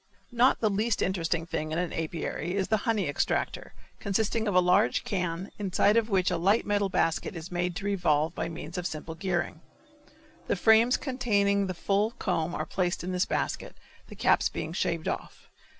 Not the least interesting thing in an apiary is the honey extractor, consisting of a large can inside of which a light metal basket is made to revolve by means of a simple gearing. The frames containing the full comb are placed in this basket, the caps being shaved off.